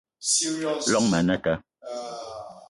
Llong ma anata